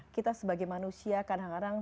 kita sebagai manusia kadang kadang